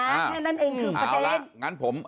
แค่นั้นเองคือประเด็น